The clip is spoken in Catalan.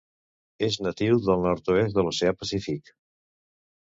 És natiu del nord-oest de l'Oceà Pacífic.